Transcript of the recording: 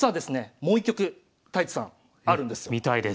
もう一局太地さんあるんですよ。